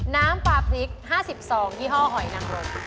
น้ำปลาพริก๕๐ซองยี่ห้อหอยนังรม